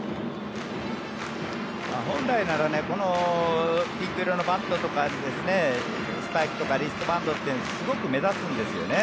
本来ならこのピンク色のバットとかスパイクとかリストバンドってすごく目立つんですよね。